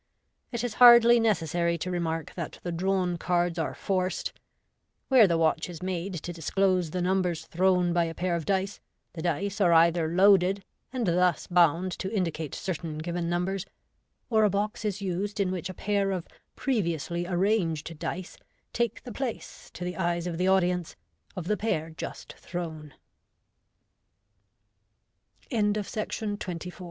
It is hardly necessary to remark that the drawn cards are forced. Where the watch is made to disclose the numbers thrown by a pair of dice, the dice are either loaded, and thus bound to indicate certain given numbers, or a box is used in which a pair of previously arranged dice take the place* to the eyes of the